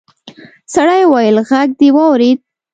سړي وويل غږ دې واورېد.